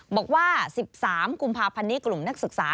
บอกว่า๑๓กุมภาพันธ์นี้กลุ่มนักศึกษา